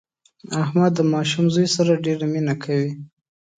احمد د ماشوم زوی سره ډېره مینه کوي.